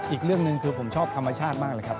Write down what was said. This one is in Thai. อีกเรื่องหนึ่งคือผมชอบธรรมชาติมากเลยครับ